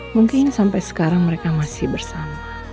mungkin sampai sekarang mereka masih bersama